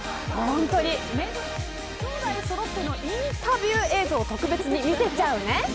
きょうだいそろってのインタビュー映像特別に見せちゃうね。